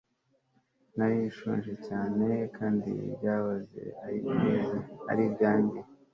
nari nshonje cyane kandi byahoze ari ibyanjye